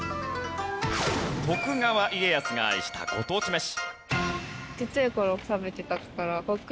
徳川家康が愛したご当地めし。